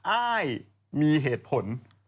อ้ายมีเหตุผล